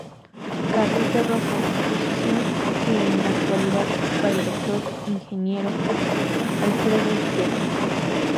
Carlos de Rosa, posición que en la actualidad ocupa el Dr. Ing. Alfredo Esteves.